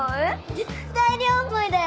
絶対両思いだよ。